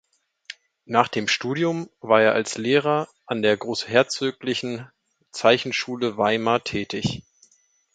Nach dem Studium war er als Lehrer an der Großherzoglichen Zeichenschule Weimar tätig.